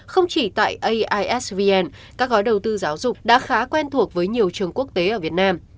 không chỉ tại aisvn các gói đầu tư giáo dục đã khá quen thuộc với nhiều trường quốc tế ở việt nam